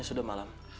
ini sudah malam